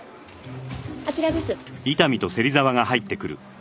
あちらです。